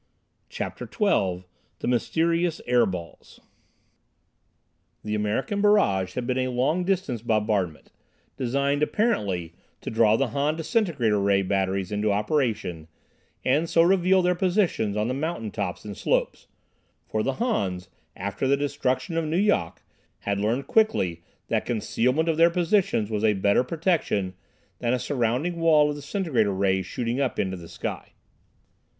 CHAPTER XII The Mysterious "Air Balls" The American barrage had been a long distance bombardment, designed, apparently, to draw the Han disintegrator ray batteries into operation and so reveal their positions on the mountain tops and slopes, for the Hans, after the destruction of Nu Yok, had learned quickly that concealment of their positions was a better protection than a surrounding wall of disintegrator rays shooting up into the sky.